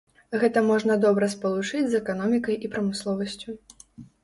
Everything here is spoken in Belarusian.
Гэта можна добра спалучыць з эканомікай і прамысловасцю.